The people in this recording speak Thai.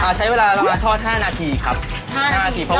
เอาจริงก็หั่นได้อยู่นะพี่อัน